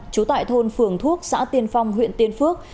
trú tại thôn phường thuốc xã tiên phong huyện tiên phước